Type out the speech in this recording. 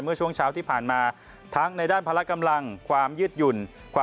เมื่อช่วงเช้าที่ผ่านมาทั้งในด้านพละกำลังความยืดหยุ่น